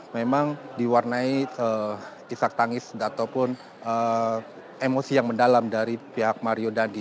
memang diwarnai isak tangis ataupun emosi yang mendalam dari pihak mario dandi